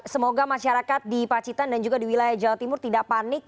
semoga masyarakat di pacitan dan juga di wilayah jawa timur tidak panik